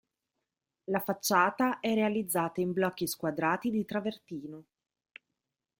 La facciata è realizzata in blocchi squadrati di travertino.